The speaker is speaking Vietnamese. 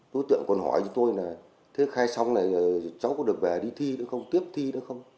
đối tượng còn hỏi như tôi là thế khai xong này cháu có được về đi thi nữa không tiếp thi nữa không